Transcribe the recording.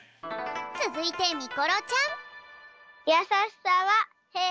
つづいてみころちゃん。